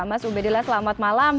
mas ubedillah selamat malam